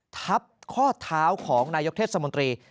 ทับข้อเท้าของนายกเทศมนตรี